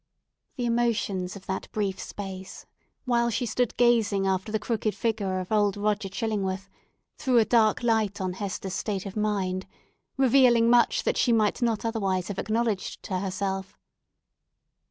The emotion of that brief space, while she stood gazing after the crooked figure of old Roger Chillingworth, threw a dark light on Hester's state of mind, revealing much that she might not otherwise have acknowledged to herself.